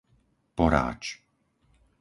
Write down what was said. Poráč